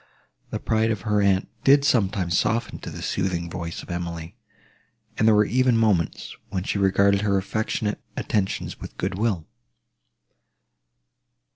The pride of her aunt did sometimes soften to the soothing voice of Emily, and there even were moments, when she regarded her affectionate attentions with goodwill.